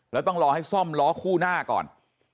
แล้วต้องรอให้ซ่อมล้อคู่หน้าก่อน